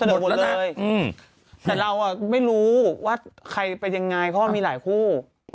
แต่เราไม่รู้ว่าใครไปยังไงก็พอมีหลายคู่